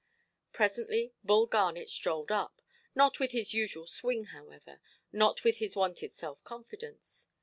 Presently Bull Garnet strode up: not with his usual swing, however; not with his wonted self–confidence.